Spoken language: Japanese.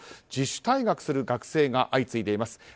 自主退学する学生が相次いでいます。